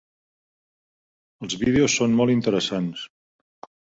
Els vídeos són molt interessants.